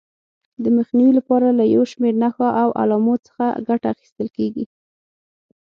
د مخنیوي لپاره له یو شمېر نښو یا علامو څخه ګټه اخیستل کېږي.